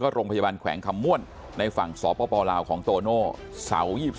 โรงพยาบาลแขวงคำม่วนในฝั่งสปลาวของโตโน่เสา๒๒